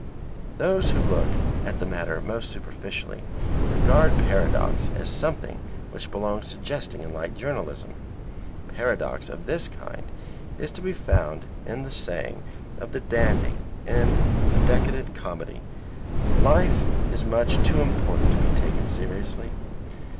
Those who look at the matter most superficially regard paradox as something which belongs to jesting and light journalism. Paradox of this kind is to be found in the saying of the dandy, in the decadent comedy, "Life is much too important to be taken seriously."